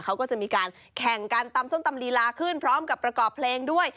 เขาก็จะมีการแข่งกันตำส้มตำลีลาขึ้นพร้อมกับประกอบเพลงด้วย